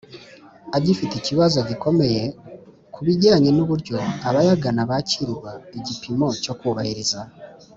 agifite ikibazo gikomeye ku bijyanye n uburyo abayagana bakirwa Igipimo cyo kubahiriza